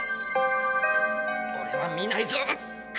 おれは見ないぞ！